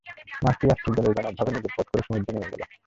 মাছটি আশ্চর্যজনকভাবে নিজের পথ করে সমুদ্রে নেমে গেল।